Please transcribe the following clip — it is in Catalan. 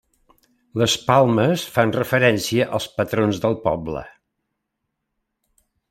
Les palmes fan referència als patrons del poble.